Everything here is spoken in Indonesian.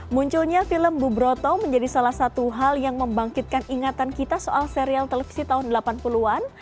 munculnya film bubroto menjadi salah satu hal yang membangkitkan ingatan kita soal serial televisi tahun delapan puluh an